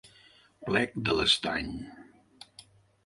Plec de l’estany.